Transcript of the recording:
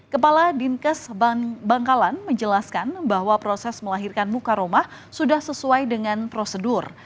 kepala dinkes bangkalan menjelaskan bahwa proses melahirkan muka rumah sudah sesuai dengan prosedur